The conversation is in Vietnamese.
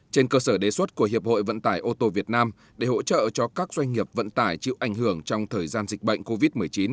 trên cơ sở đề xuất của hiệp hội vận tải ô tô việt nam để hỗ trợ cho các doanh nghiệp vận tải chịu ảnh hưởng trong thời gian dịch bệnh covid một mươi chín